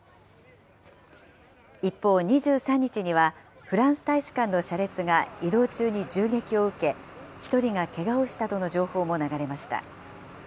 一方、２３日には、フランス大使館の車列が移動中に銃撃を受け、１人がけがをしたとの情報も流れました。